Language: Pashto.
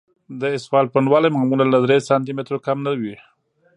د اسفالټ پنډوالی معمولاً له درې سانتي مترو کم نه وي